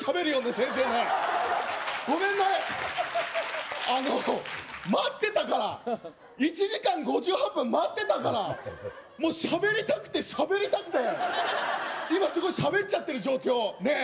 先生ねごめんねあの待ってたから１時間５８分待ってたからもう喋りたくて喋りたくて今すごい喋っちゃってる状況ねえ